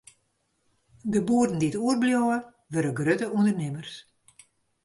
De boeren dy't oerbliuwe, wurde grutte ûndernimmers.